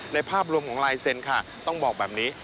ภาพรวมของลายเซ็นต์ค่ะต้องบอกแบบนี้